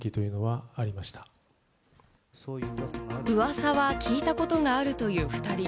噂は聞いたことがあるという２人。